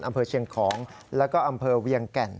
อำเภอเชียงของแล้วก็อำเภอเวียงแก่น